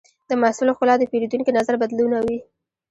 د محصول ښکلا د پیرودونکي نظر بدلونوي.